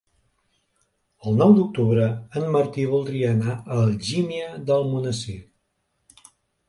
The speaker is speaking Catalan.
El nou d'octubre en Martí voldria anar a Algímia d'Almonesir.